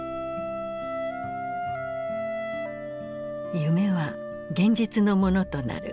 夢は現実のものとなる。